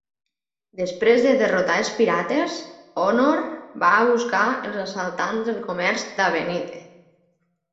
Després de derrotar els pirates, Honor va a buscar els assaltants del comerç d'Havenite.